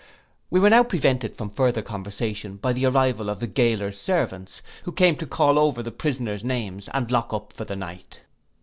We were now prevented from further conversation, by the arrival of the gaoler's servants, who came to call over the prisoners names, and lock up for the night.